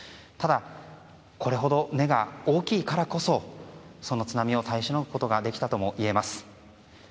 ただこれほど根が大きいからこそその津波を耐えしのぐことができたともいえます。